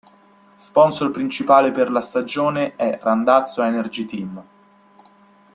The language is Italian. Sponsor principale per la stagione è Randazzo Energy team.